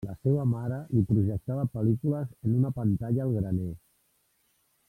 La seua mare li projectava pel·lícules en una pantalla al graner.